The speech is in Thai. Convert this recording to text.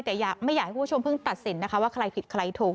แต่ไม่อยากให้คุณผู้ชมเพิ่งตัดสินนะคะว่าใครผิดใครถูก